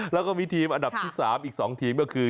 แล้วก็มีทีมอันดับที่๓อีก๒ทีมก็คือ